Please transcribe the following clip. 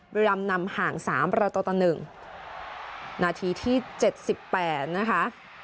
บริรำนำห่าง๓ประตูตะหนึ่งนาทีที่๗๘นะคะ